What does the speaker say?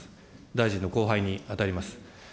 大臣の後輩に当たります。